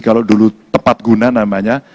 kalau dulu tepat guna namanya